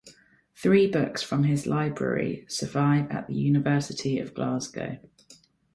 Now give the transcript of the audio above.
Three books from his library survive at the University of Glasgow.